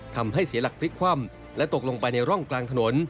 ทำให้เสียหลักพลิกคว่ำและตกลงไปในร่องกลางถนน